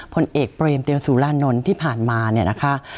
ผลเอกเปรมเตียวสุรานนท์ที่ผ่านมาเนี่ยนะคะ